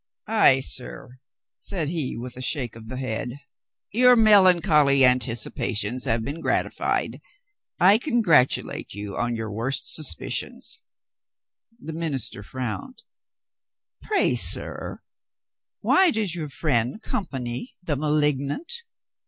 "Ay, sir," said he with a shake of the head, "your melancholy anticipations have been gratified. I congratulate you on your worst suspicions." The minister frowned. "Pray, sir, why does your friend company the malignant